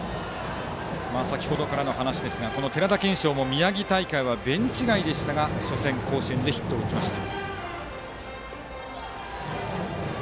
先程からの話ですがこの寺田賢生も宮城大会はベンチ外でしたが初戦、甲子園でヒットを打ちました。